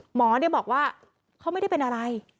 หมอบอกว่าเขาไม่ได้เป็นอะไร